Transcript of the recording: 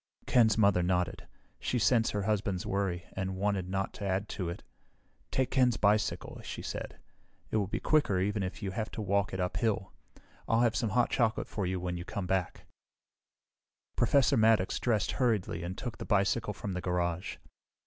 Ken's mother nodded. She sensed her husband's worry, and wanted not to add to it. "Take Ken's bicycle," she said. "It will be quicker, even if you have to walk it uphill. I'll have some hot chocolate for you when you come back." Professor Maddox dressed hurriedly and took the bicycle from the garage.